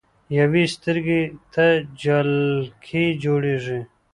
يوې سترګې ته جالکي جوړيږي